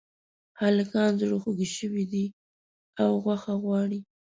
هلکان زړخوږي شوي دي او غوښه غواړي